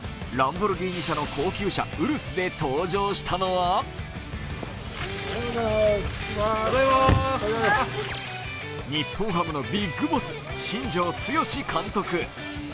ランボルギーニ社の高級車・ウルスで登場したのは日本ハムのビッグボス、新庄剛志監督。